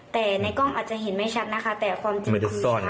แต่ในกล้องอาจจะเห็นไม่ชัดนะคะแต่ความจริงไม่ได้ซ่อน